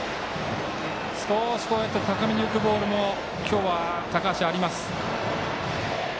少し高めに浮くボールも今日は高橋、あります。